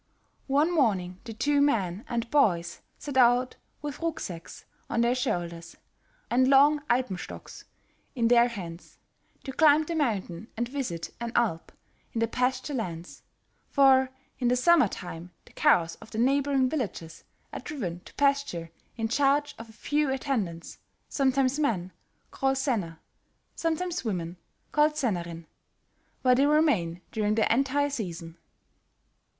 One morning the two men and boys set out with rücksacks on their shoulders, and long alpenstocks in their hands, to climb the mountain and visit an "alp" in the pasture lands, for in the summertime the cows of the neighboring villagers are driven to pasture in charge of a few attendants, sometimes men, called senner, sometimes women, called sennerin, where they remain during the entire season.